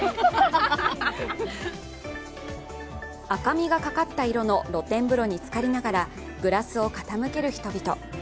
赤みがかった色の露天風呂に浸かりながらグラスを傾ける人々。